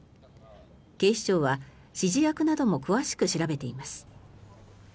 警視庁は指示役なども詳しく調べています。